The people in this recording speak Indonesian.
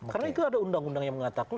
karena itu ada undang undang yang mengatakan